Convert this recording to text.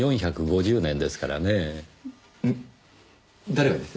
誰がです？